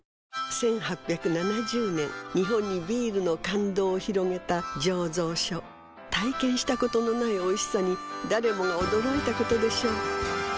１８７０年日本にビールの感動を広げた醸造所体験したことのないおいしさに誰もが驚いたことでしょう